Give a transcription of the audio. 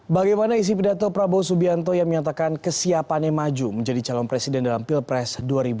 bagaimana isi pidato prabowo subianto yang menyatakan kesiapannya maju menjadi calon presiden dalam pilpres dua ribu dua puluh